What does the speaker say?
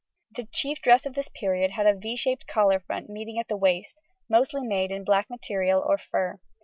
] The chief dress of this period had a =V= shaped collar front meeting at the waist, mostly made in black material or fur.